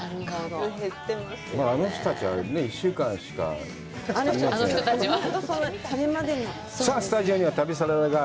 あの人たちは１週間しか命が。